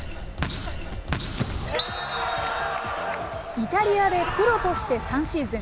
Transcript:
イタリアでプロとして３シーズン。